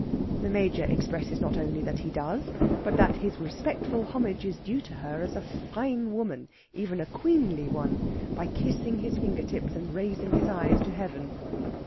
The Major expresses not only that he does, but that his respectful homage is due to her as a fine woman even a queenly one by kissing his finger tips and raising his eyes to heaven.